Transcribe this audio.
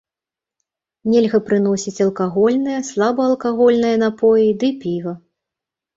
Нельга прыносіць алкагольныя, слабаалкагольныя напоі ды піва.